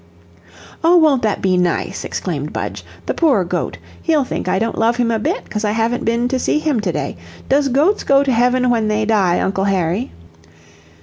"Oh, won't that be nice?" exclaimed Budge. "The poor goat! he'll think I don't love him a bit, 'cause I haven't been to see him to day. Does goats go to heaven when they die, Uncle Harry?"